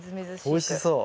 うんおいしそう。